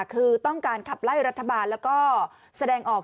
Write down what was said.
คือต้องการขับไล่รัฐบาลแล้วก็แสดงออก